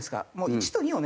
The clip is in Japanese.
１と２をね